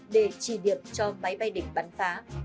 để trì điệp cho máy bay địch bắn phá